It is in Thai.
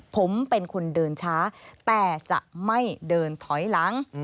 ผมเป็นคนเดินช้าแต่จะไม่เดินถอยหลัง